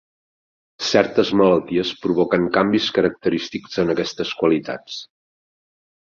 Certes malalties provoquen canvis característics en aquestes qualitats.